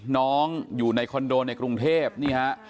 น้องอยู่ในคอนโดในกรุงเทพนี่ฮะ